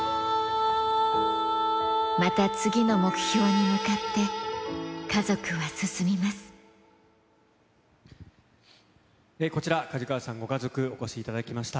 また次の目標に向かって、こちら、加治川さんご家族、お越しいただきました。